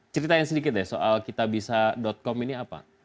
ceritain sedikit deh soal kitabisa com ini apa